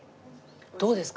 どうですか？